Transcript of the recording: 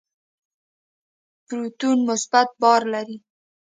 پروتون مثبت بار لري.